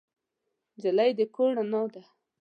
نجلۍ د کور رڼا ده.